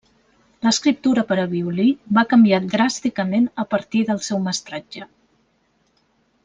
L'escriptura per a violí va canviar dràsticament a partir del seu mestratge.